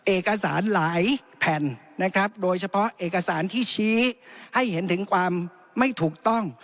เอกสารหลายแผ่นนะครับโดยเฉพาะเอกสารที่ชี้ให้เห็นถึงความไม่ถูกต้อง